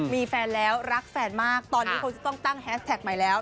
มีแฟนแล้วรักแฟนมากตอนนี้เขาจะต้องตั้งแฮสแท็กใหม่แล้ว